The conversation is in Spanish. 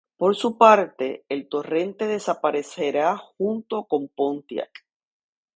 Por su parte, el Torrent desaparecerá junto con Pontiac.